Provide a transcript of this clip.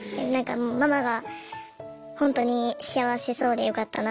ママがほんとに幸せそうでよかったなって思いました。